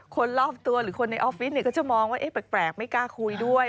คนรอบตัวหรือคนในออฟฟิศก็จะมองว่าแปลกไม่กล้าคุยด้วย